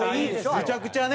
めちゃくちゃね。